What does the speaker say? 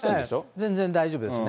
全然大丈夫ですね。